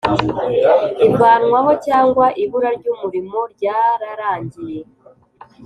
ivanwaho cyangwa ibura ry umurimo ryararangiye